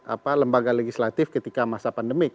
apa lembaga legislatif ketika masa pandemik